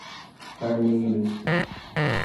Carneiros